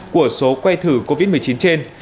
của số quay thử covid một mươi chín trên